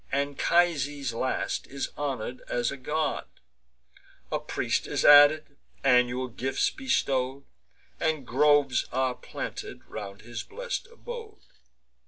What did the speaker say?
Anchises, last, is honour'd as a god; A priest is added, annual gifts bestow'd, And groves are planted round his blest abode.